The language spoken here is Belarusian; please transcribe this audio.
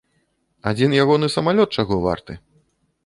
Адзін ягоны самалёт чаго варты!